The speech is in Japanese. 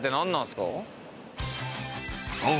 ［そう。